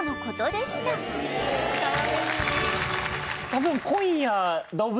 多分。